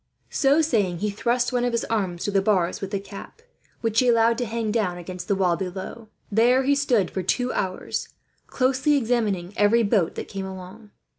So saying, he thrust one of his arms through the bars with the cap, which he allowed to hang down against the wall below. There he stood for two hours, closely examining every boat that came along.